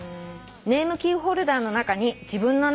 「ネームキーホルダーの中に自分の名前はなかったです」